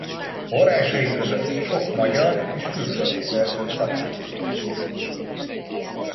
Forrásai között sok magyar és külföldi szerző található.